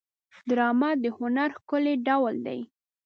ډرامه د هنر ښکلی ډول دی